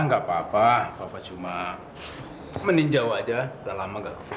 dika aku cuma mau ucapin makasih